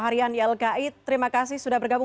harian ylki terima kasih sudah bergabung